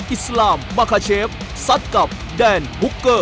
อิสลามบาคาเชฟซัดกับแดนฮุกเกอร์